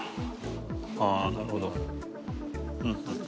ああ、なるほど。